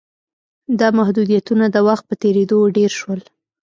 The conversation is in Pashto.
دا محدودیتونه د وخت په تېرېدو ډېر شول